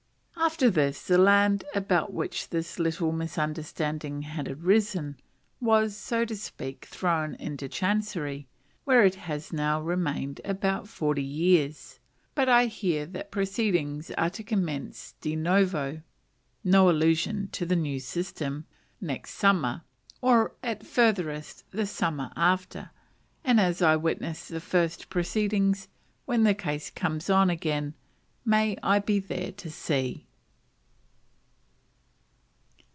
After this, the land about which this little misunderstanding had arisen, was, so to speak, "thrown into chancery," where it has now remained about forty years. But I hear that proceedings are to commence de novo (no allusion to the "new system") next summer, or at farthest the summer after; and as I witnessed the first proceedings, when the case comes on again "may I be there to see."